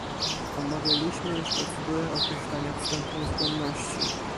Omawialiśmy już procedurę określania wstępnej zgodności